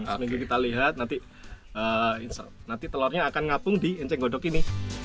seminggu kita lihat nanti telurnya akan ngapung di enceng godok ini